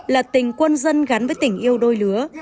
là tình quân dân gắn với tình yêu đôi lứa